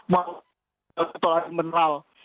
mengalami petolak mineral